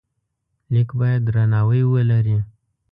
لیک باید درناوی ولري.